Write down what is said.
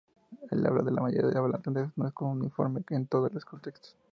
El habla de la mayoría de hablantes no es uniforme en todos los contextos.